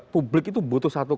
publik itu butuh satu